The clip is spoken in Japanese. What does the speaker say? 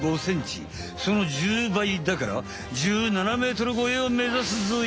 その１０倍だから１７ｍ超えをめざすぞい。